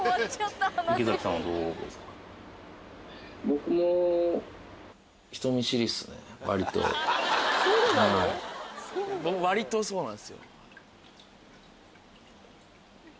僕割とそうなんっすよ。